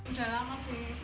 mudah lama sih